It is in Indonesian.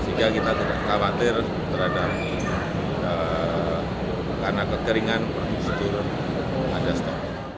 sehingga kita tidak khawatir terhadap ini karena kekeringan harus turun ada stok